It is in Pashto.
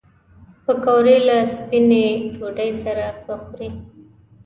پکورې له سپینې ډوډۍ سره ښه خوري